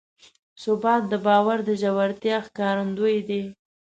ثبات د باور د ژورتیا ښکارندوی دی.